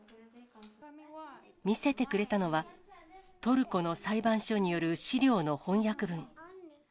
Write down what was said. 見せてくれたのは、トルコの裁判所による資料の翻訳文。